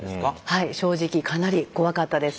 はい正直かなり怖かったです。